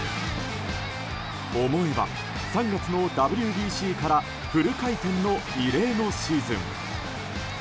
思えば、３月のＷＢＣからフル回転の異例のシーズン。